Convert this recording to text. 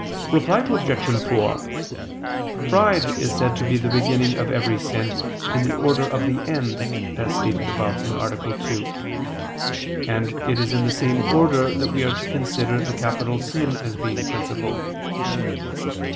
Reply Obj. 4: Pride is said to be the beginning of every sin, in the order of the end, as stated above (A. 2): and it is in the same order that we are to consider the capital sin as being principal.